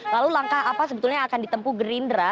lalu langkah apa sebetulnya yang akan ditempu gerindra